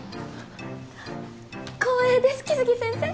光栄です来生先生